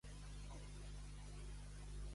Al peresós, el sol se'l menja.